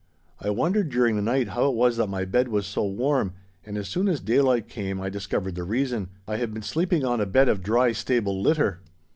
I wondered during the night how it was that my bed was so warm, and as soon as daylight came I discovered the reason I had been sleeping on a bed of dry stable litter!